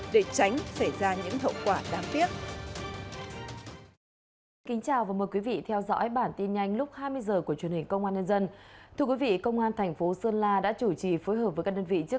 để tránh xảy ra những thậu quả đáng tiếc